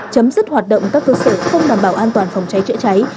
chấm dứt hoạt động các cơ sở không đảm bảo an toàn phòng cháy chữa cháy